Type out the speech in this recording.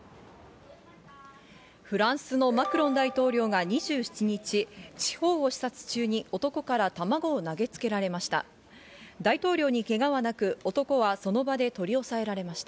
フランスのマクロン大統領が２７日、地方を視察中に男から卵を投げつけられました。